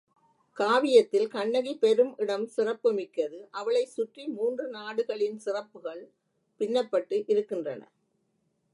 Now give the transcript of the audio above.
காவியத்தில் கண்ணகி பெரும் இடம் சிறப்பு மிக்கது அவளைச் சுற்றி மூன்று நாடுகளின் சிறப்புகள் பின்னப்பட்டு இருக்கின்றன.